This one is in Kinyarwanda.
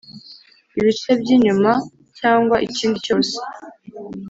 ibice by’ inyuma cyangwa ikindi cyose